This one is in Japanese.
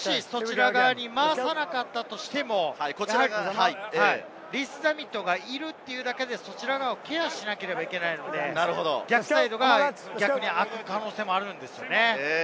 もし、そちら側に回さなかったとしても、リース＝ザミットがいるというだけで、そちらをケアしなければいけないので、逆サイドが空く可能性もあるんですよね。